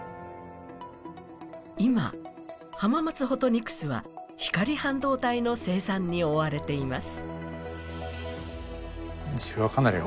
今、浜松ホトニクスは光半導体の生産に追われています。